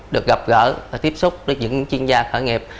được gặp gỡ và tiếp xúc với những chuyên gia khởi nghiệp